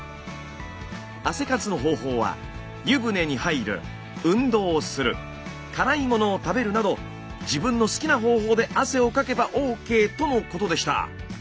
汗活の方法は湯船に入る運動する辛いものを食べるなど自分の好きな方法で汗をかけばＯＫとのことでした。